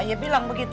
dia bilang begitu